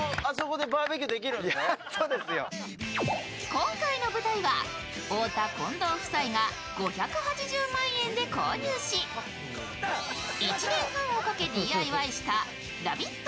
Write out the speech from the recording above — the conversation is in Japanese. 今回の舞台は太田・近藤夫妻が５８０万円で購入し１年半をかけ、ＤＩＹしたラヴィット！